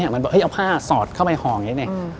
เหมือนเอาผ้าสอดเข้าไปห่ออย่างนี้